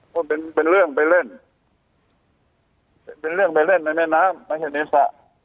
ว่าเป็นเรื่องไปเล่นเป็นเรื่องไปเล่นในแม่น้ำมหิตนิสสะ